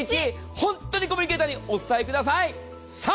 本当にコミュニケーターにお伝えください。